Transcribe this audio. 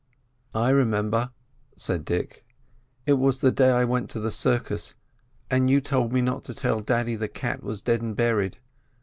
"I remember," said Dick. "It was the day I went to the circus, and you told me not to tell daddy the cat was deadn' berried.